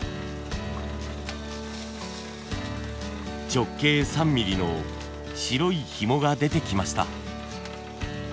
直径３ミリの白いひもが出てきました。